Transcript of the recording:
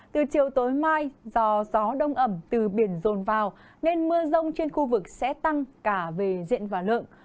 từ chiều tối mai do gió đông ẩm từ biển dồn vào nên mưa rông trên khu vực sẽ tăng cả về diện và lượng